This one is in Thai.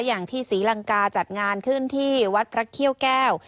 อย่างที่ศรีลังกาจัดงานขึ้นที่วัดพระเขี้ยวแก้ว